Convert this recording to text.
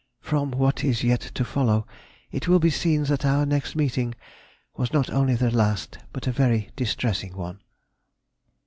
From what is yet to follow, it will be seen that our next meeting was not only the last, but a very distressing one.